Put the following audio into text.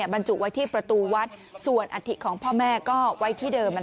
บรรจุไว้ที่ประตูวัดส่วนอัฐิของพ่อแม่ก็ไว้ที่เดิม